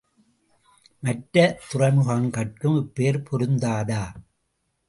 மற்ற துறைமுகங்கட்கும் இப்பெயர் பொருந்தாதா?